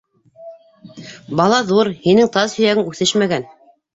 Бала ҙур, һинең таз һөйәгең үҫешмәгән.